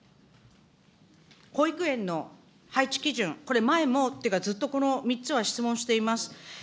保育園の配置基準、これ前もっていうか、この３つは質問しています。